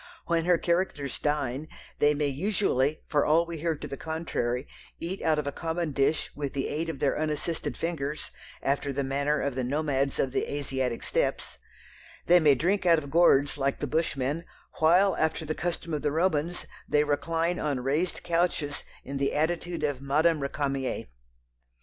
When her characters dine, they may usually, for all we hear to the contrary, eat out of a common dish with the aid of their unassisted fingers, after the manner of the nomads of the Asiatic Steppes; they may drink out of gourds like the Bushmen, while, after the custom of the Romans, they recline on raised couches in the attitude of Madame Récamier.